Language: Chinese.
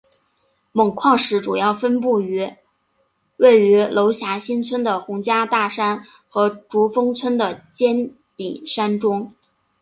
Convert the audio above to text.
锰矿石主要分布于位于娄霞新村的洪家大山和竹峰村的尖顶山中。